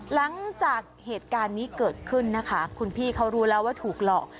หลังจากเหตุการณ์นี้เกิดขึ้นนะคะคุณพี่เขารู้แล้วว่าถูกหลอก